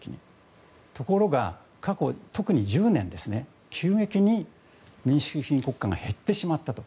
ところが、過去２０年急激に民主主義国家が減ってしまったと。